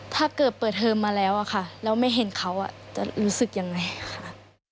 ถ้าเกิดเปิดเทอมมาแล้วอะค่ะแล้วไม่เห็นเขาจะรู้สึกยังไงค่ะ